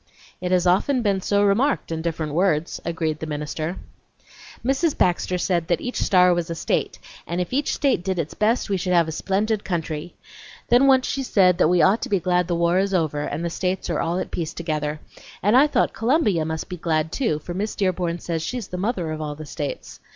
"It has often been so remarked, in different words," agreed the minister. "Mrs. Baxter said that each star was a state, and if each state did its best we should have a splendid country. Then once she said that we ought to be glad the war is over and the States are all at peace together; and I thought Columbia must be glad, too, for Miss Dearborn says she's the mother of all the States.